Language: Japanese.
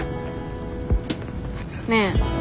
ねえ。